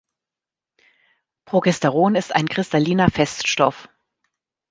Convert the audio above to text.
Progesteron ist ein kristalliner Feststoff.